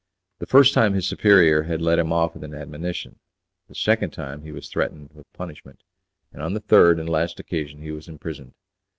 The first time his superior had let him off with an admonition, the second time he was threatened with punishment, and on the third and last occasion he was imprisoned.